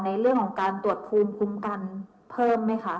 ในเรื่องของการตรวจภูมิคุ้มกันเพิ่มไหมคะ